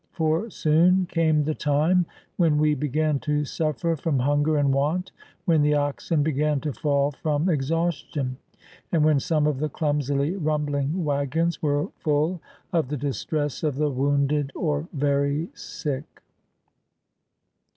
For soon came the time when we began to suffer from hunger and want, when the oxen began to fall from exhaustion, and when some of the clumsily rumbhng wagons were full of the distress of the wounded or very sick.